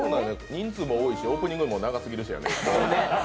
人数も多いし、オープニングも長すぎるしね。